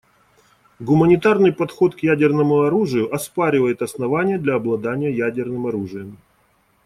Гуманитарный подход к ядерному оружию оспаривает основания для обладания ядерным оружием.